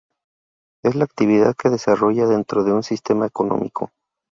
Es la actividad que se desarrolla dentro de un sistema económico.